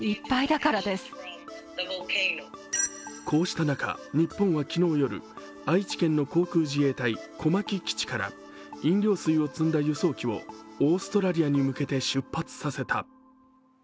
こうした中、日本は昨日夜、愛知県の航空自衛隊・小牧基地から飲料水を積んだ輸送機をオーストラリアに向けて出発させた。